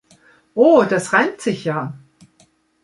Oh, das reimt sich ja.